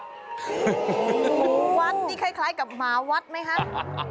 วัดนี่คล้ายกับหมาวัดไหมคะ